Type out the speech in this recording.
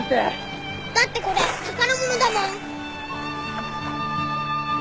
だってこれ宝物だもん。